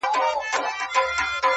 پښتین ته:٫